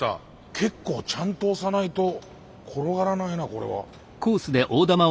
結構ちゃんと押さないと転がらないなこれは。